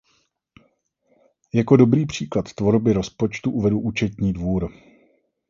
Jako dobrý příklad tvorby rozpočtu uvedu Účetní dvůr.